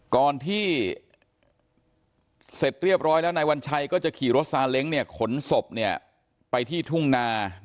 ก่อนที่เสร็จเรียบร้อยแล้วนายวัญชัยก็จะขี่รถซาเล้งขนศพไปที่ทุ่งนา